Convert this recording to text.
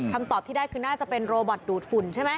ตอบที่ได้คือน่าจะเป็นโรบอตดูดฝุ่นใช่ไหม